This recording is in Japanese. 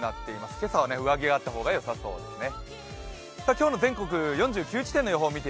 今朝は上着があった方がよさそうですね。